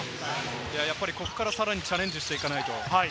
ここからさらにチャレンジしていかないと。